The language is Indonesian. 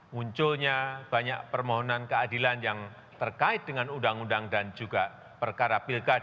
munculnya banyak permohonan keadilan yang terkait dengan undang undang dan juga perkara pilkada